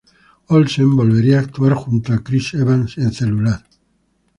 Olsen volvería a actuar junto a Chris Evans en "Cellular".